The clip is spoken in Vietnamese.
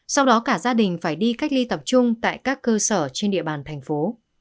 sau đó cả gia đình phải đi cách ly tập trung tại các cơ sở trên địa bàn thành phố